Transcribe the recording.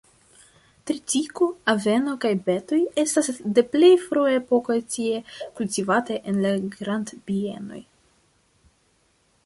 Tritiko, aveno kaj betoj estas de plej frua epoko tie kultivataj en la grandbienoj.